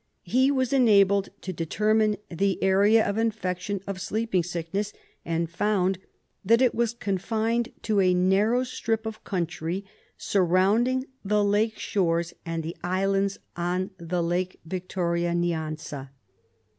He was enabled to determine the area of infection of sleeping sickness, and found that it was confined to a narrow strip of country surrounding the lake shores and the islands on the Lake Victoria Nyanza.